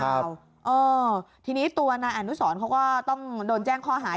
เออทีนี้ตัวนายอนุสรเขาก็ต้องโดนแจ้งข้อหา